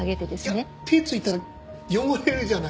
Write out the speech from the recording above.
いや手ついたら汚れるじゃないですか。